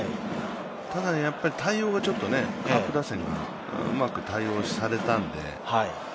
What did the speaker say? ただ対応がカープ打線がうまく対応されたんで。